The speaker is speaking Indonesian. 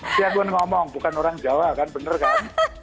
siapa yang ngomong bukan orang jawa kan bener kan